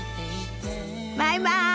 バイバイ！